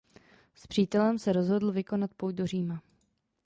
S přítelem se rozhodl vykonat pouť do Říma.